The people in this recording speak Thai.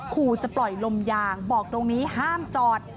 ขู่จะปล่อยลมยางบอกตรงนี้ห้ามจอด